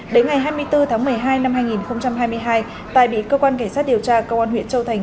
đến ngày hai mươi bốn tháng một mươi hai năm hai nghìn hai mươi hai tài bị cơ quan cảnh sát điều tra công an huyện châu thành